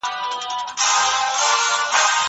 د پخوانیو نسخو ساتنه د ټولو ګډه دنده ده.